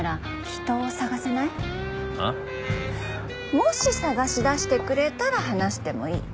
もし捜し出してくれたら話してもいい。